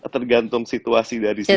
tergantung situasi dari si